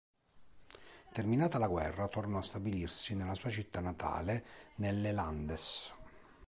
Terminata la guerra tornò a stabilirsi nella sua città natale nelle Landes.